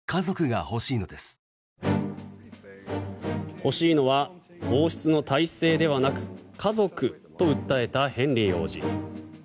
欲しいのは王室の体制ではなく家族と訴えたヘンリー王子。